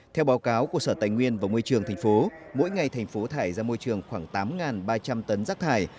theo báo cáo của sở tài nguyên và môi trường tp hcm mỗi ngày tp hcm thải ra môi trường khoảng tám ba trăm linh tấn rác thải